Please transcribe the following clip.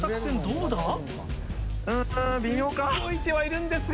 動いてはいるんですが。